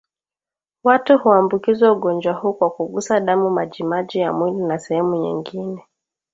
Watu huambukizwa ugonjwa huu kwa kugusa damu majimaji ya mwili na sehemu nyingine